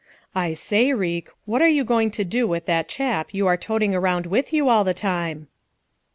"I say, Reek, what are you going to do with that chap you are toting around with you all the time?"